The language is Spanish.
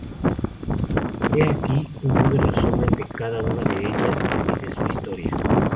He aquí un breve resumen de cada unas de ellas y de su historia.